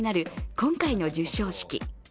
今回の授賞式。